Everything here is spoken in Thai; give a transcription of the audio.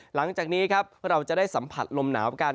หลังจากนี้ครับเราจะได้สัมผัสลมหนาวกัน